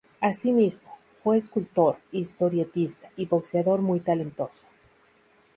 Asimismo, fue escultor, historietista y boxeador muy talentoso.